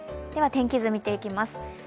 天気図を見ていきます。